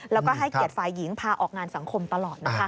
แล้วก็ให้เกียรติฝ่ายหญิงพาออกงานสังคมตลอดนะคะ